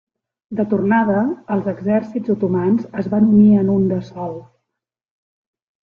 De tornada, els exèrcits otomans es van unir en un de sol.